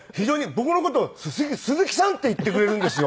僕の事を鈴木さんって言ってくれるんですよ。